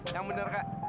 yang bener kak